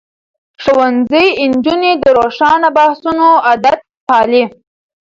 ښوونځی نجونې د روښانه بحثونو عادت پالي.